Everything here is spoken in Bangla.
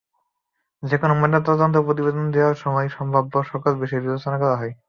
যেকোনো ময়নাতদন্তের প্রতিবেদন দেওয়ার সময় সম্ভাব্য সকল বিষয় বিবেচনা করা হয়।